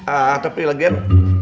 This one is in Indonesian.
ah tapi lagian